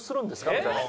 みたいな。